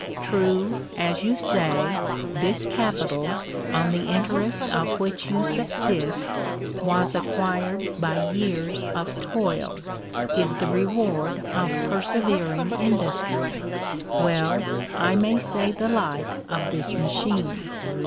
True, as you say, this capital, on the interest of which you subsist, was acquired by years of toil — is the reward of persevering industry : well, I may say the like of this machine.